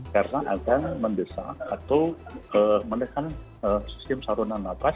karena akan mendesak atau menekan sistem sarunan nafas